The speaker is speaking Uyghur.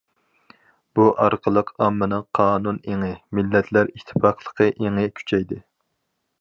بۇ ئارقىلىق ئاممىنىڭ قانۇن ئېڭى، مىللەتلەر ئىتتىپاقلىقى ئېڭى كۈچەيدى.